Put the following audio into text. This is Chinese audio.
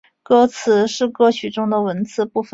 歌词是歌曲中的文词部分。